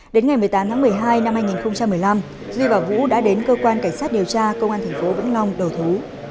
đến ngày một mươi tám tháng một mươi hai năm hai nghìn một mươi năm duy và vũ đã đến cơ quan cảnh sát điều tra công an tp vĩnh long đầu thú